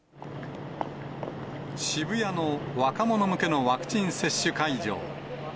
渋谷の若者向けのワクチン接種会場。